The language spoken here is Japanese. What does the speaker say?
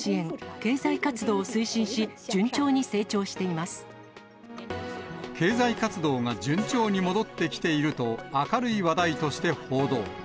経済活動が順調に戻ってきていると明るい話題として報道。